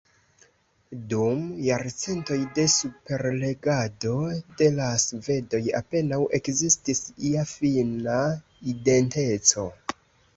Dum jarcentoj de superregado de la svedoj, apenaŭ ekzistis ia finna identeco.